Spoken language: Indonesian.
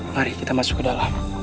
mari kita masuk ke dalam